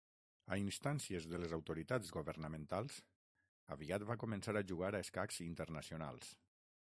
A instàncies de les autoritats governamentals, aviat va començar a jugar a escacs internacionals.